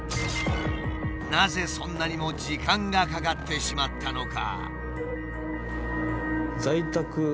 なぜそんなにも時間がかかってしまったのか？